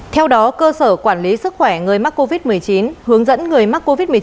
theo đó cơ sở quản lý sức khỏe người mắc covid một mươi chín hướng dẫn người mắc covid một mươi chín